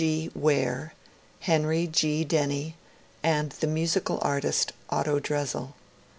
G. Ware, Henry G. Denny, and the musical artist Otto Dresel.